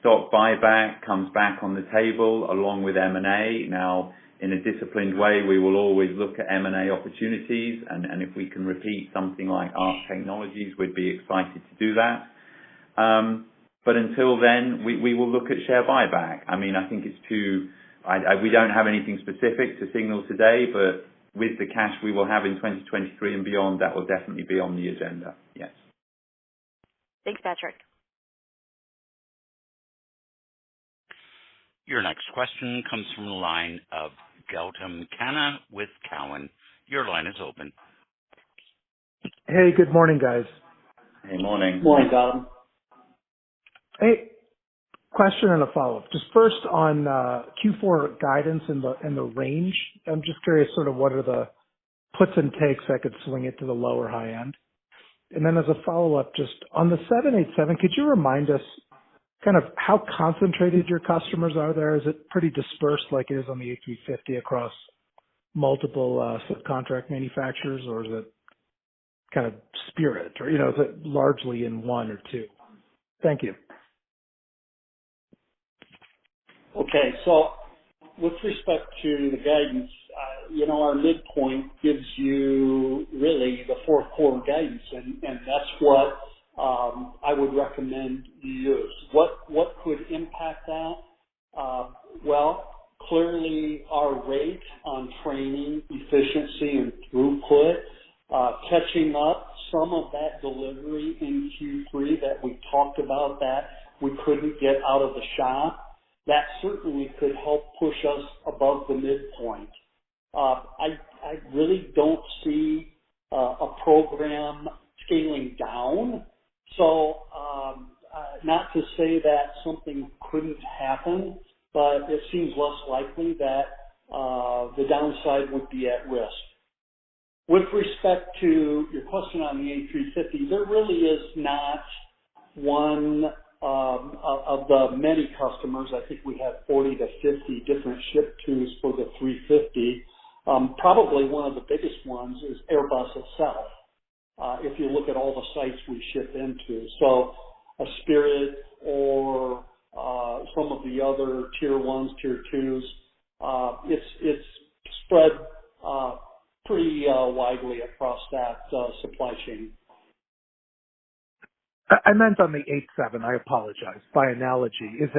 Stock buyback comes back on the table along with M&A. Now, in a disciplined way, we will always look at M&A opportunities and if we can repeat something like ARC Technologies, we'd be excited to do that. Until then, we will look at share buyback. I mean, we don't have anything specific to signal today, but with the cash we will have in 2023 and beyond, that will definitely be on the agenda. Yes. Thanks, Patrick. Your next question comes from the line of Gautam Khanna with Cowen. Your line is open. Hey, good morning, guys. Hey, morning. Morning, Gautam. Hey. Question and a follow-up. Just first on Q4 guidance and the range. I'm just curious sort of what are the puts and takes that could swing it to the low or high end? And then as a follow-up, just on the 787, could you remind us kind of how concentrated your customers are there? Is it pretty dispersed like it is on the A350 across multiple subcontract manufacturers or is it kind of Spirit? Or, you know, is it largely in one or two? Thank you. Okay. With respect to the guidance, you know, our midpoint gives you really the Q4 guidance and that's what I would recommend you use. What could impact that? Well, clearly our run rate on training, efficiency and throughput, catching up some of that delivery in Q3 that we talked about that we couldn't get out of the shop, that certainly could help push us above the midpoint. I really don't see a program scaling down. Not to say that something couldn't happen, but it seems less likely that the downside would be at risk. With respect to your question on the A350, there really is not one of the many customers. I think we have 40-50 different ship-tos for the A350. Probably one of the biggest ones is Airbus itself, if you look at all the sites we ship into. A Spirit or some of the other tier ones, tier twos, it's spread pretty widely across that supply chain. I meant on the 787. I apologize. By analogy, is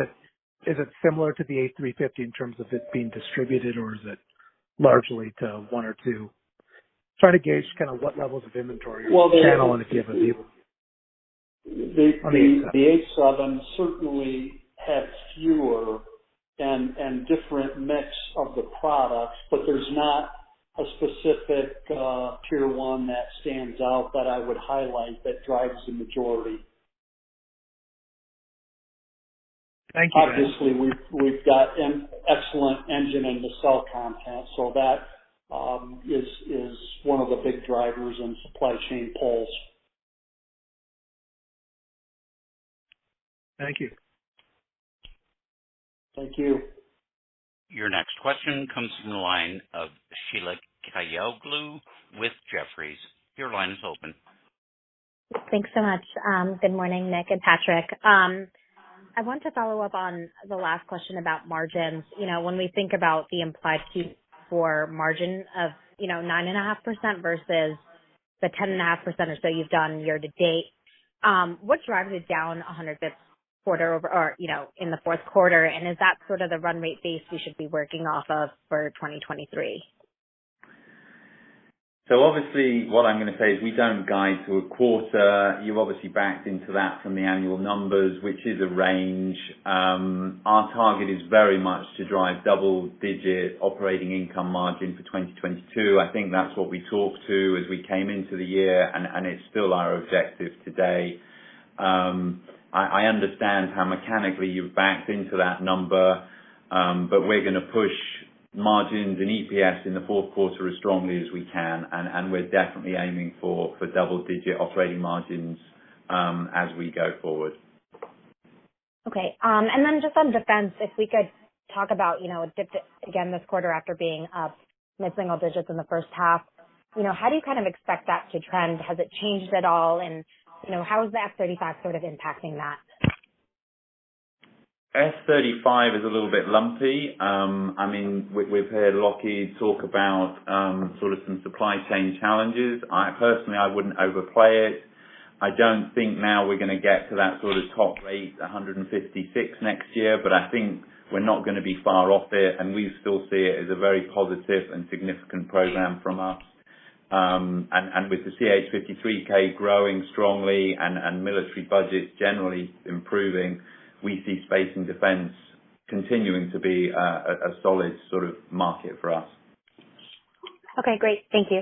it similar to the A350 in terms of it being distributed, or is it largely to one or two? Try to gauge kind of what levels of inventory channel, and if you have a view. The 787 certainly has fewer and different mix of the products, but there's not a specific tier one that stands out that I would highlight that drives the majority. Thank you. Obviously, we've got an excellent engine in the cell content, so that is one of the big drivers in supply chain pulls. Thank you. Thank you. Your next question comes from the line of Sheila Kahyaoglu with Jefferies. Your line is open. Thanks so much. Good morning, Nick and Patrick. I want to follow up on the last question about margins. You know, when we think about the implied [EBITDA] margin of 9.5% versus the 10.5% or so you've done year to date, what drives it down 100 basis points in the Q4? Is that sort of the run rate base we should be working off of for 2023? Obviously what I'm gonna say is we don't guide to a quarter. You've obviously backed into that from the annual numbers, which is a range. Our target is very much to drive double-digit operating income margin for 2022. I think that's what we talked to as we came into the year, and it's still our objective today. I understand how mechanically you've backed into that number, but we're gonna push margins and EPS in the Q4 as strongly as we can, and we're definitely aiming for double-digit operating margins, as we go forward. Okay. Just on defense, if we could talk about, you know, it dipped again this quarter after being up mid-single digits in the H1. You know, how do you kind of expect that to trend? Has it changed at all? You know, how is the F-35 sort of impacting that? F-35 is a little bit lumpy. I mean, we've heard Lockheed talk about sort of some supply chain challenges. I personally wouldn't overplay it. I don't think now we're gonna get to that sort of top rate, 156 next year, but I think we're not gonna be far off it, and we still see it as a very positive and significant program from us. With the CH-53K growing strongly and military budgets generally improving, we see space and defense continuing to be a solid sort of market for us. Okay, great. Thank you.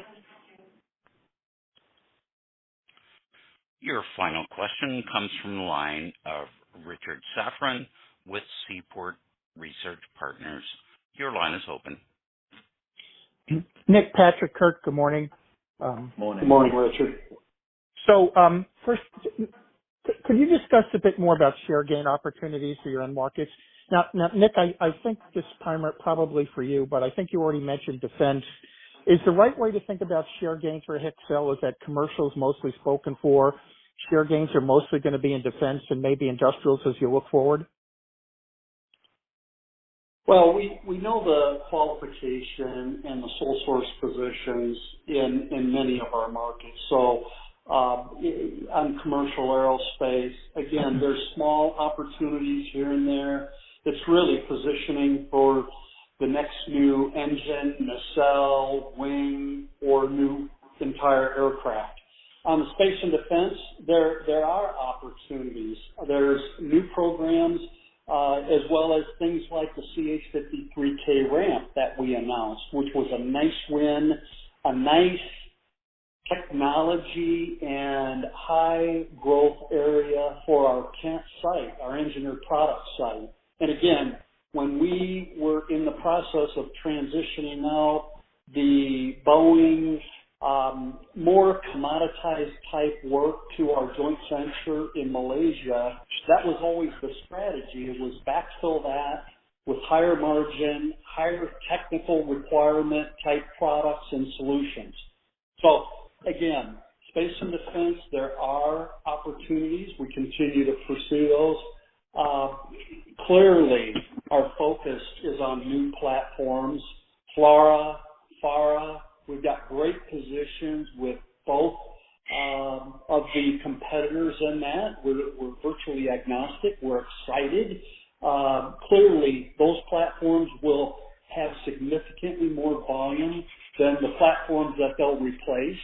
Your final question comes from the line of Richard Safran with Seaport Research Partners. Your line is open. Nick, Patrick, Kurt, good morning. Morning. Good morning, Richard. First, could you discuss a bit more about share gain opportunities for your end markets? Now, Nick, I think this time probably for you, but I think you already mentioned defense. Is the right way to think about share gains for Hexcel, is that commercial is mostly spoken for, share gains are mostly gonna be in defense and maybe industrials as you look forward? Well, we know the qualification and the sole source positions in many of our markets. On commercial aerospace, again, there's small opportunities here and there. It's really positioning for the next new engine, nacelle, wing or new entire aircraft. On the space and defense, there are opportunities. There's new programs, as well as things like the CH-53K ramp that we announced, which was a nice win, a nice technology and high growth area for our Casablanca site, our engineered product site. When we were in the process of transitioning out the Boeing, more commoditized type work to our joint venture in Malaysia, that was always the strategy. It was backfill that with higher margin, higher technical requirement type products and solutions. Space and defense, there are opportunities. We continue to pursue those. Clearly our focus is on new platforms, FLRAA, FARA. We've got great positions with both of the competitors in that. We're virtually agnostic. We're excited. Clearly those platforms will have significantly more volume than the platforms that they'll replace.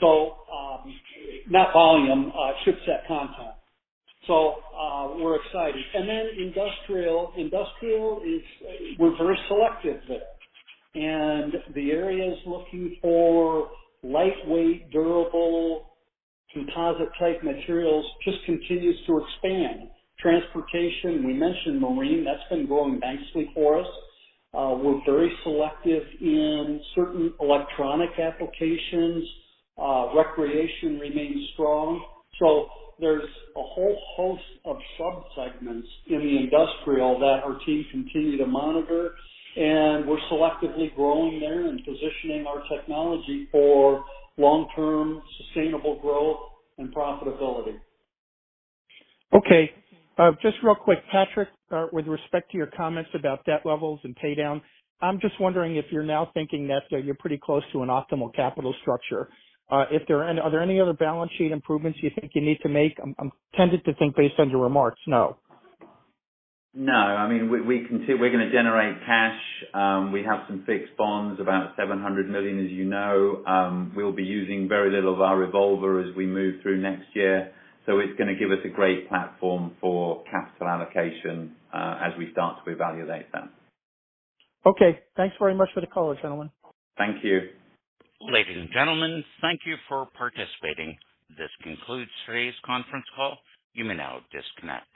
Not volume, shipset content. We're excited. Then industrial. Industrial is. We're very selective there. The areas looking for lightweight, durable, composite type materials just continues to expand. Transportation, we mentioned marine, that's been growing nicely for us. We're very selective in certain electronic applications. Recreation remains strong. There's a whole host of sub-segments in the industrial that our team continue to monitor, and we're selectively growing there and positioning our technology for long-term sustainable growth and profitability. Okay. Just real quick, Patrick, with respect to your comments about debt levels and pay down, I'm just wondering if you're now thinking that you're pretty close to an optimal capital structure. If there are any other balance sheet improvements you think you need to make? I'm tempted to think based on your remarks, no. No. I mean, we can see we're gonna generate cash. We have some fixed bonds, about $700 million, as you know. We'll be using very little of our revolver as we move through next year. It's gonna give us a great platform for capital allocation, as we start to evaluate that. Okay. Thanks very much for the color, gentlemen. Thank you. Ladies and gentlemen, thank you for participating. This concludes today's conference call. You may now disconnect.